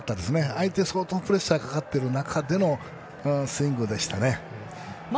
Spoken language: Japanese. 相手に相当プレッシャーがかかっている中でのスイングでしたね。